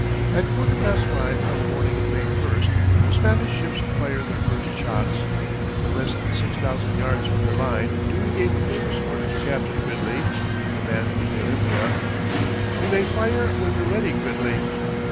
At quarter past five on the morning of May 1st, the Spanish ships fired their first shots. When less than six thousand yards from their line, Dewey gave the famous order to Captain Gridley, in command of the Olympia: "You may fire when you're ready, Gridley."